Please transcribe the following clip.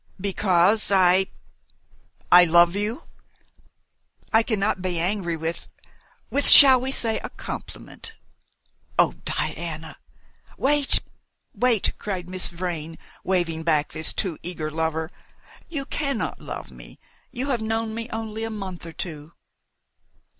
"Because I I love you!" "I cannot be angry with with shall we say a compliment." "Oh, Diana!" "Wait! wait!" cried Miss Vrain, waving back this too eager lover. "You cannot love me! You have known me only a month or two."